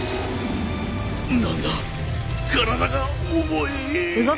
何だ体が重い